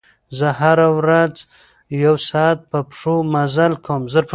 زه هره ورځ یو ساعت په پښو مزل کوم.